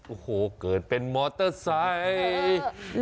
โอ้โหเกิดเป็นมอเตอร์ไซค์